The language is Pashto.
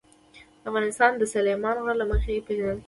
افغانستان د سلیمان غر له مخې پېژندل کېږي.